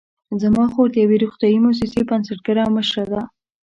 زما خور د یوې روغتیايي مؤسسې بنسټګره او مشره ده